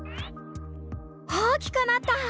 大きくなった！